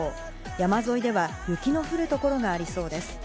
山沿いでは雪の降る所もありそうです。